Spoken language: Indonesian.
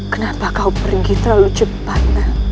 kenapa kau pergi terlalu cepat